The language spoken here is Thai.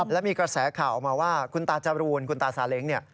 และมีกระแสข่าวออกมาว่าคุณตาจรูนคุณตาซาเล้งเนี่ย